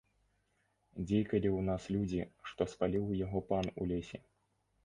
Дзейкалі ў нас людзі, што спаліў яго пан у лесе.